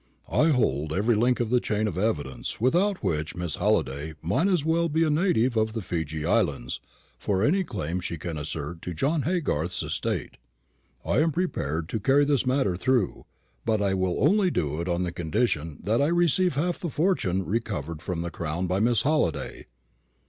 "I hold every link of the chain of evidence, without which Miss Halliday might as well be a native of the Fiji islands for any claim she can assert to John Haygarth's estate. I am prepared to carry this matter through; but I will only do it on the condition that I receive half the fortune recovered from the Crown by Miss Halliday."